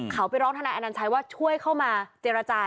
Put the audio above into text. เขาไปร้องทนายอนัญชัยว่าช่วยเข้ามาเจรจา